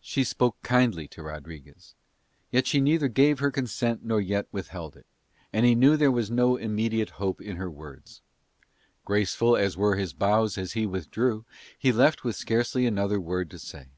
She spoke kindly to Rodriguez, yet she neither gave her consent nor yet withheld it, and he knew there was no immediate hope in her words. Graceful as were his bows as he withdrew, he left with scarcely another word to say.